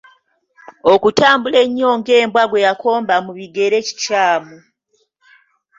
Okutambula ennyo ng’embwa gwe yakomba mu bigere kikyamu.